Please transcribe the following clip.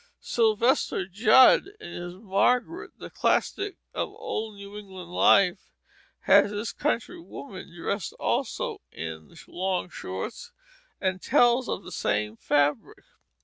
Sylvester Judd, in his Margaret, the classic of old New England life, has his country women dressed also in long shorts, and tells of the same fabric.